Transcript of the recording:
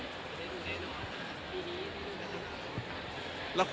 ละครปีนี้หรอครับ